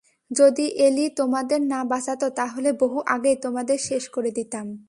যদি এলি তোমাদের না বাঁচাত, তাহলে বহু আগেই তোমাদের শেষ করে দিতাম।